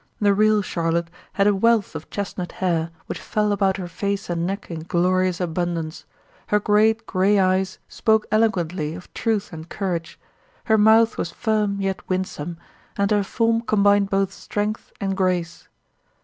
The real Charlotte had a wealth of chestnut hair which fell about her face and neck in glorious abundance. Her great gray eyes spoke eloquently of truth and courage. Her mouth was firm yet winsome, and her form combined both strength and grace.